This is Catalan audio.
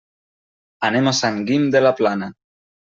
Anem a Sant Guim de la Plana.